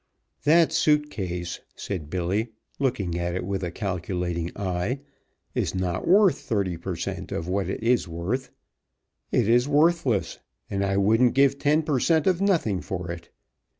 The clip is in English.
"That suit case," said Billy, looking at it with a calculating eye, "is not worth thirty per cent. of what it is worth. It is worthless, and I wouldn't give ten per cent. of nothing for it.